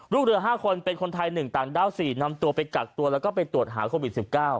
เรือ๕คนเป็นคนไทย๑ต่างด้าว๔นำตัวไปกักตัวแล้วก็ไปตรวจหาโควิด๑๙